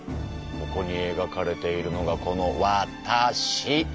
ここにえがかれているのがこのわたし！